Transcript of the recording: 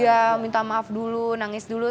ya minta maaf dulu nangis dulu